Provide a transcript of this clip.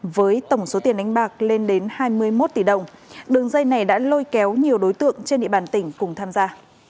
với tổng số tiền đánh bạc lên đến hai mươi một tỷ đồng đường dây này đã lôi kéo nhiều đối tượng trên địa bàn tỉnh cùng tham gia